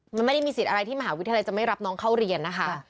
มันไม่ได้มีสิทธิ์อะไรที่มหาวิทยาลัยจะไม่รับน้องเข้าเรียนนะคะ